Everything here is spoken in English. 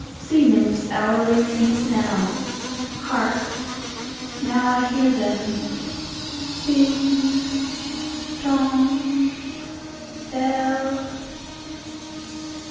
Sea nymphs hourly ring his knell:Hark! now I hear them,—Ding dong, bell.